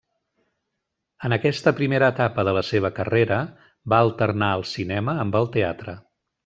En aquesta primera etapa de la seva carrera va alternar el cinema amb el teatre.